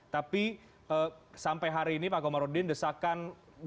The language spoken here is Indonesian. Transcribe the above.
tapi sampai hari ini pak komarudin desakan